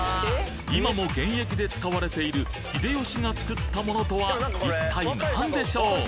今も現役で使われている秀吉が造ったものとは一体なんでしょう？